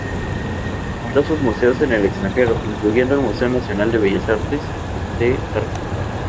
Numerosos museos en el extranjero, incluyendo el Museo Nacional de Bellas Artes de Argel.